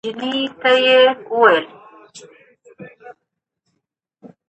د زور ژبه لنډمهاله ده